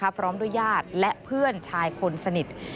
พร้อมด้วยญาติและเพื่อนชายคนสนิท